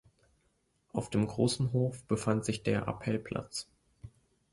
Auf dem großen Hof befand sich der Appellplatz.